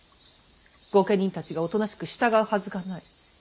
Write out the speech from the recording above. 御家人たちがおとなしく従うはずがない。